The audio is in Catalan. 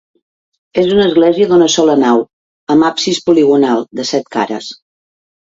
És una església d'una sola nau, amb absis poligonal, de set cares.